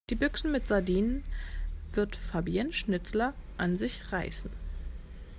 Die Büchsen mit Sardinen wird Fabienne Schnitzler an sich reißen.